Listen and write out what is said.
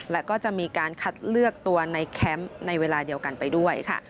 แล้วก็จะมีการคัดเลือกตัวในแคมป์ในเวลาเดียวกันไปด้วยค่ะ